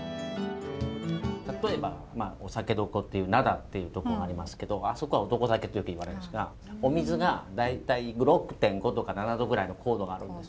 例えばお酒どこという灘っていうとこありますけどあそこは男酒とよくいわれますがお水が大体６．５とか７度ぐらいの硬度があるんです。